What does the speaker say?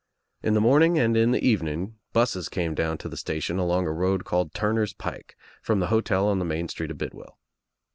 In the morning and in the evening busses came down to the station along a road called Turner's Pike from the hotel on the main street of Bidwell.